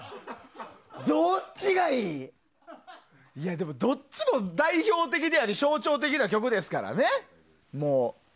でも、どっちも代表的であり象徴的な曲ですからね。